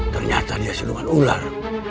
ternyata dia siluman ular